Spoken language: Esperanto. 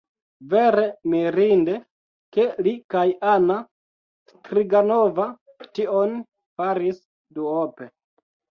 Vere mirinde, ke li kaj Anna Striganova tion faris duope.